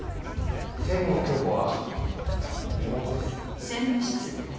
専務の鏡子は妹です。